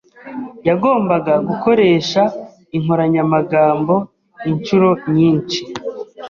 Yagombaga gukoresha inkoranyamagambo inshuro nyinshi.